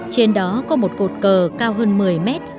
trên đó có một cột cờ cao hơn một mươi mét